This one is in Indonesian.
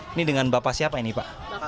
ini dengan bapak siapa ini pak